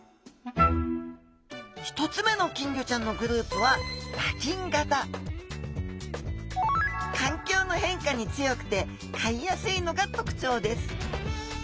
１つ目の金魚ちゃんのグループは環境の変化に強くて飼いやすいのが特徴です